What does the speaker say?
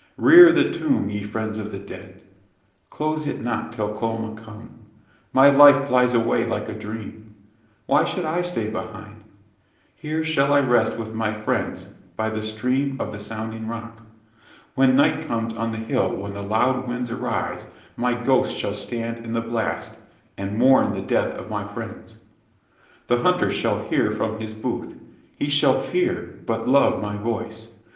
Rear the tomb, ye friends of the dead. Close it not till Colma come. My life flies away like a dream. Why should I stay behind? Here shall I rest with my friends, by the stream of the sounding rock. When night comes on the hill when the loud winds arise my ghost shall stand in the blast, and mourn the death of my friends. The hunter shall hear from his booth; he shall fear, but love my voice!